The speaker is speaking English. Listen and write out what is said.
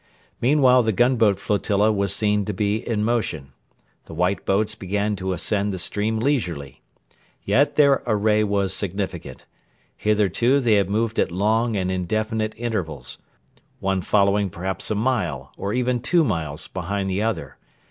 Meanwhile the gunboat flotilla was seen to be in motion. The white boats began to ascend the stream leisurely. Yet their array was significant. Hitherto they had moved at long and indefinite intervals one following perhaps a mile, or even two miles, behind the other.